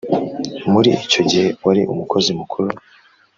muri icyo gihe wari umukozi mukuru